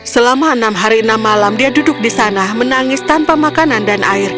selama enam hari enam malam dia duduk di sana menangis tanpa makanan dan air